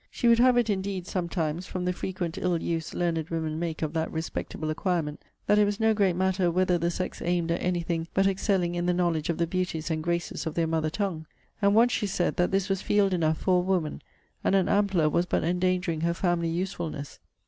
She would have it indeed, sometimes, from the frequent ill use learned women make of that respectable acquirement, that it was no great matter whether the sex aimed at any thing but excelling in the knowledge of the beauties and graces of their mother tongue; and once she said, that this was field enough for a woman; and an ampler was but endangering her family usefulness.